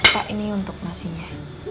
pak ini untuk masinya